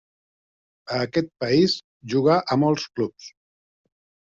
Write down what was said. A aquest país jugà a molts clubs.